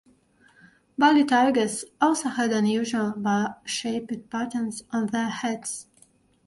Bali tigers also had unusual, bar-shaped patterns on their heads.